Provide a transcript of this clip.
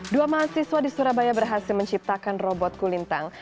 dua mahasiswa di surabaya berhasil menciptakan robot kulintang